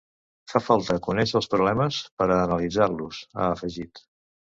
“Fa falta conèixer els problemes per a analitzar-los”, ha afegit.